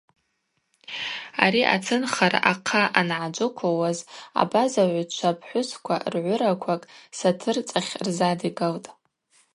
Ари ацынхара ахъа ангӏаджвыквылуаз абаза гӏвгӏвчва-пхӏвысква ргӏвыраквакӏ сатырцӏахь рзадигалтӏ.